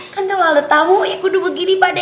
kan kalau lo tau ya kudu begini pade